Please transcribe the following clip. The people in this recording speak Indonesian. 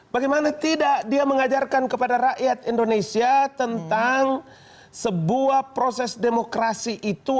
bagaimana tidak dia mengajarkan kepada rakyat indonesia tentang sebuah proses demokrasi itu